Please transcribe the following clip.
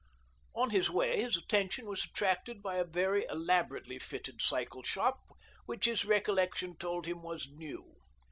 On his way his attention was attracted by a very elaborately fitted cycle shop, which his recollection told him was new.